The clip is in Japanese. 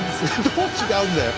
どう違うんだよ。